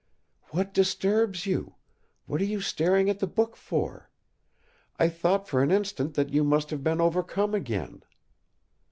"What disturbs you? What are you staring at the book for? I thought for an instant that you must have been overcome again!"